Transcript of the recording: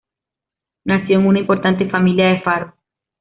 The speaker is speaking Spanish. Nació en una importante familia de Faro.